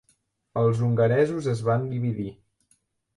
Els hongaresos es van dividir.